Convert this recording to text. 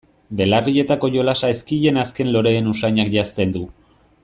Belarrietako jolasa ezkien azken loreen usainak janzten du.